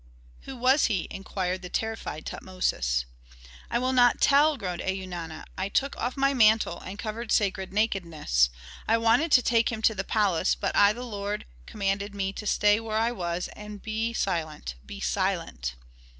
"Who was he?" inquired the terrified Tutmosis. "I will not tell!" groaned Eunana. "I took off my mantle and covered sacred nakedness. I wanted to take him to the palace but I the lord commanded me to stay where I was, and be silent be silent!"